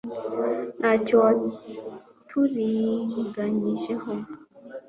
nta cyo waturiganyijeho